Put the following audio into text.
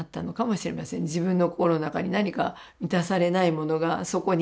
自分の心の中に何か満たされないものがそこに。